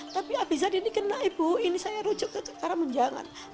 tapi abis itu kena ibu ini saya rujuk ke cakramun jangan